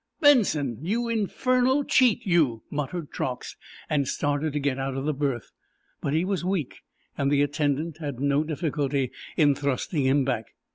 "Benson, you infernal cheat, you!" muttered Truax, and started to get out of the berth. But he was weak, and the attendant had no difficulty in thrusting him back.